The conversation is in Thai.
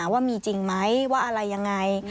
ว่ามีจริงไหมว่าอะไรยังไง